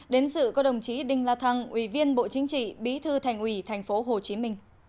đến dự có đồng chí đinh la thăng ủy viên bộ chính trị bí thư thành ủy tp hcm